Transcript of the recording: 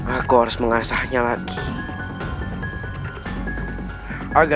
aku harus memberitahukan kandaprabu